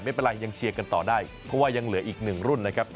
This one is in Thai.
ไม่เป็นไรยังเชียร์กันต่อได้เพราะว่ายังเหลืออีกหนึ่งรุ่นนะครับ